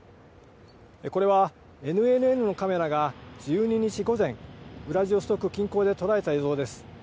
これは、ＮＮＮのカメラが１２日午前、ウラジオストク近郊で捉えた映像です。